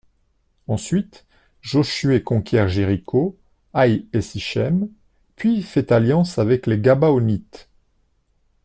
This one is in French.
Ensuite, Josué conquiert Jéricho, Aï et Sichem, puis fait alliance avec les Gabaonites.